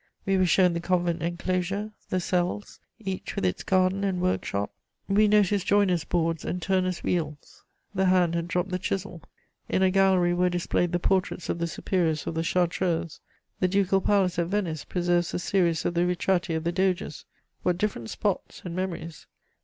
We were shown the convent enclosure, the cells, each with its garden and workshop; we noticed joiners' boards and turners' wheels: the hand had dropped the chisel. In a gallery were displayed the portraits of the superiors of the Chartreuse. The ducal palace at Venice preserves the series of the ritratti of the doges: what different spots and memories!